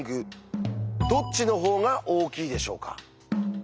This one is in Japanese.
どっちの方が大きいでしょうか？